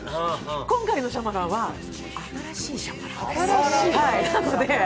今回のシャマランは新しいシャマランです。